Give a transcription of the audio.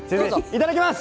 いただきます！